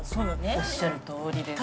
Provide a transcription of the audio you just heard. おっしゃるとおりです。